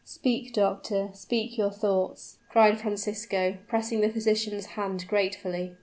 "Speak, doctor speak your thoughts!" cried Francisco, pressing the physician's hand gratefully.